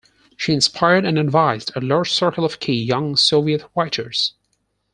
She inspired and advised a large circle of key young Soviet writers.